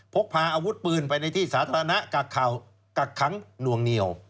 พกพาอาวุธปืนไปในที่สาธารณะกักข่าวกักขังหน่วงเหนียว